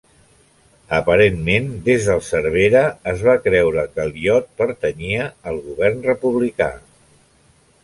Aparentment des del Cervera es va creure que el iot pertanyia al govern republicà.